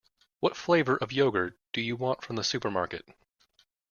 What flavour of yoghurt do you want from the supermarket?